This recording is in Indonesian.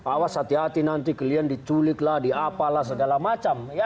awas hati hati nanti kalian diculiklah diapalah segala macam